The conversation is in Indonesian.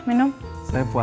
tapi dia udah mulai berpikir